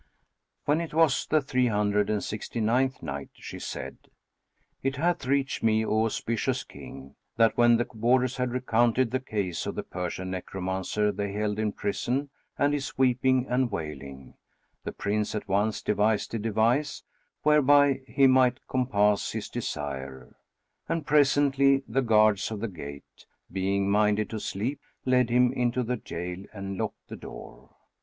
When it was the Three Hundred and Sixty ninth Night, She said, It hath reached me, O auspicious King, that when the warders had recounted the case of the Persian egromancer they held in prison and his weeping and wailing, the Prince at once devised a device whereby he might compass his desire; and presently the guards of the gate, being minded to sleep, led him into the jail and locked the door.